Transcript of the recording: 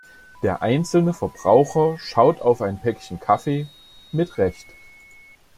Der einzelne Verbraucher schaut auf ein Päckchen Kaffee, mit Recht.